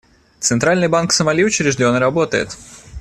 Центральный банк Сомали учрежден и работает.